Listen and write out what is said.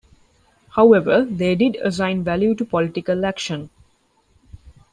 However, they did assign value to political action.